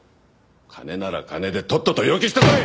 金なら金でとっとと要求してこい！